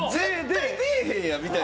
絶対出えへんやんみたいな。